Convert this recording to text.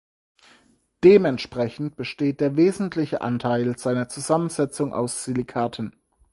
Dementsprechend besteht der wesentliche Anteil seiner Zusammensetzung aus Silikaten.